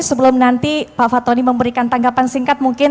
sebelum nanti pak fatoni memberikan tanggapan singkat mungkin